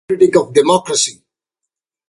Filmer was a severe critic of democracy.